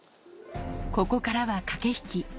ここからは駆け引き。